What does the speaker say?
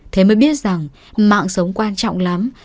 thế mới biết rằng mạng sống quan trọng lắm